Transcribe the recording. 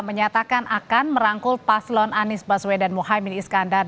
menyatakan akan merangkul paslon anies baswedan mohaimin iskandar